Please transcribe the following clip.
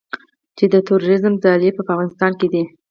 چې د تروریزم ځالې په افغانستان کې دي